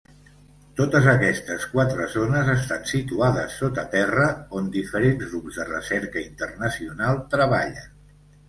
Totes aquestes quatre zones estan situades sota terra on diferents grups de recerca internacional treballen.